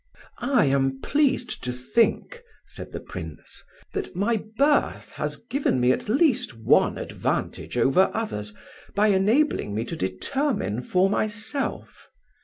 "I am pleased to think," said the Prince, "that my birth has given me at least one advantage over others by enabling me to determine for myself.